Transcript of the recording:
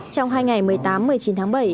trong hai ngày một mươi tám một mươi chín tháng bảy